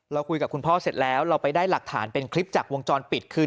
คุยกับคุณพ่อเสร็จแล้วเราไปได้หลักฐานเป็นคลิปจากวงจรปิดคืน